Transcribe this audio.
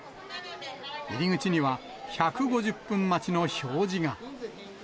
入り口には、１５０分待ちの表示が。